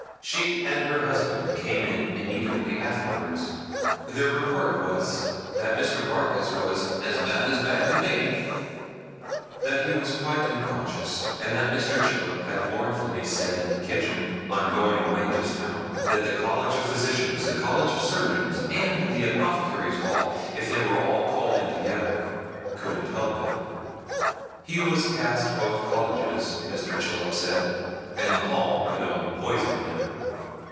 She and her husband came in immediately afterwards. Their report was, that Mr. Barkis was 'as bad as bad could be'; that he was quite unconscious; and that Mr. Chillip had mournfully said in the kitchen, on going away just now, that the College of Physicians, the College of Surgeons, and Apothecaries' Hall, if they were all called in together, couldn't help him. He was past both Colleges, Mr. Chillip said, and the Hall could only poison him.